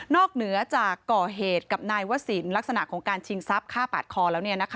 เหนือจากก่อเหตุกับนายวศิลป์ลักษณะของการชิงทรัพย์ฆ่าปาดคอแล้ว